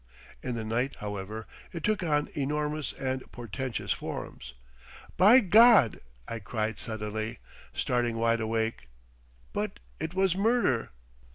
In the night, however, it took on enormous and portentous forms. "By God!" I cried suddenly, starting wide awake; "but it was murder!"